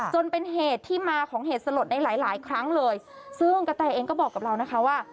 จนเป็นเหตุที่มาของเหตุสลดในหลายหลายครั้งเลยซึ่งกระแตเองก็บอกกับเรานะคะว่า